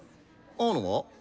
青野は？